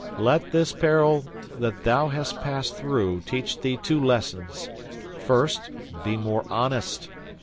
Let this peril that thou hast passed through teach thee two lessons. First, be more honest.